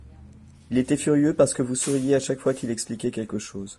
Il était furieux parce que vous souriiez à chaque fois qu’il expliquait quelque chose.